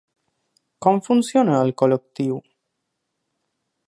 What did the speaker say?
Com funciona el col·lectiu?